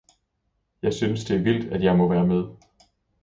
jeg synes det er vildt at jeg må være med